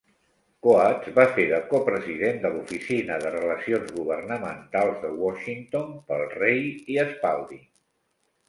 Coats va fer de co-president de l"oficina de relacions governamentals de Washington pel Rei i Spalding.